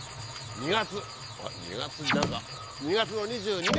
２月の２２日！